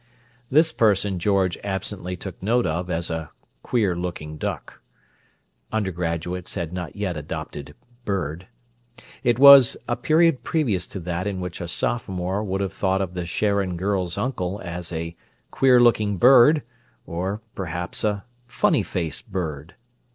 This person George absently took note of as a "queer looking duck." Undergraduates had not yet adopted "bird." It was a period previous to that in which a sophomore would have thought of the Sharon girls' uncle as a "queer looking bird," or, perhaps a "funny face bird."